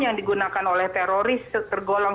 yang digunakan oleh teroris tergolong